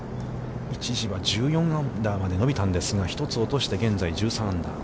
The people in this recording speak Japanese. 一時は１４アンダーまで伸びたんですが、１つ落として、現在、１３アンダー。